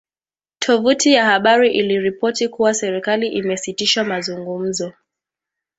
Tovuti ya habari iliripoti kuwa serikali imesitisha mazungumzo